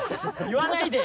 言わないで！